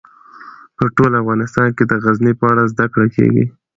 په ټول افغانستان کې د غزني په اړه زده کړه کېږي.